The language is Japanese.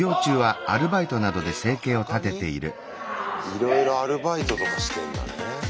いろいろアルバイトとかしてんだね。